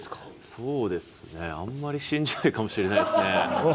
そうですねあんまり信じないかもしれないですね。